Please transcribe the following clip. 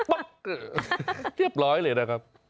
เรียบร้อยเลยนะครับ